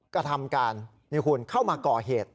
กระทำการนี่คุณเข้ามาก่อเหตุ